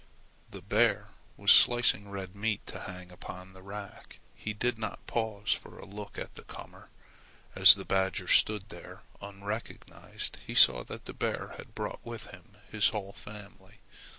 The bear was slicing red meat to hang upon the rack. He did not pause for a look at the comer. As the badger stood there unrecognized, he saw that the bear had brought with him his whole family.